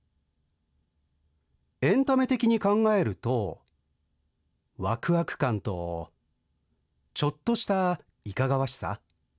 エンタメ的に考えると、わくわく感とちょっとしたいかがわしさ。